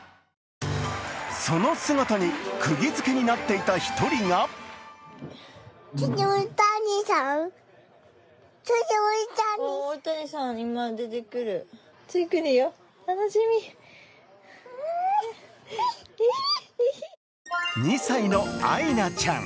その姿にくぎづけになっていた１人が２歳のあいなちゃん。